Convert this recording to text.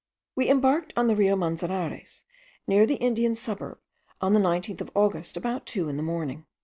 We embarked on the Rio Manzanares, near the Indian suburb, on the 19th of August, about two in the morning.